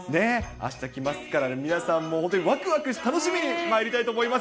あした来ますからね、皆さんも本当にわくわく、楽しみにまいりたいと思います。